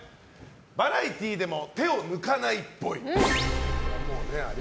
バラエティーでも手を抜かないっぽい。